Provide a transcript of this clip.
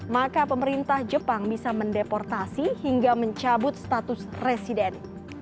maka pemerintah jepang bisa mendeportasi hingga mencabut status residen